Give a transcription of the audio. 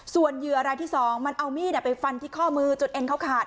ส่วนเหยื่อรายที่๒มันเอามีดไปฟันที่ข้อมือจนเอ็นเขาขาด